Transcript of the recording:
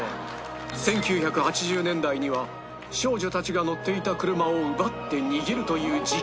１９８０年代には少女たちが乗っていた車を奪って逃げるという事件も